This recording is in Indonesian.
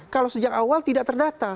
kalau sejak awal tidak terdata